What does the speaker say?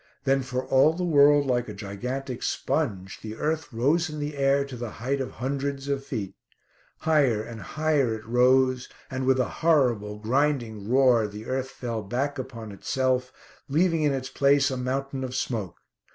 Then, for all the world like a gigantic sponge, the earth rose in the air to the height of hundreds of feet. Higher and higher it rose, and with a horrible, grinding roar the earth fell back upon itself, leaving in its place a mountain of smoke.